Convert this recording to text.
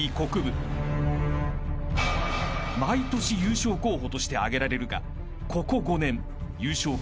［毎年優勝候補として挙げられるがここ］